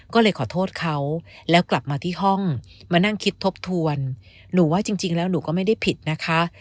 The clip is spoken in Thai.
ก็เลยขอโทษเขาแล้วกลับมาที่ห้องมานั่งคิดทบทวนหนูว่าจริงแล้วหนูก็ไม่ได้ผิดนะคะ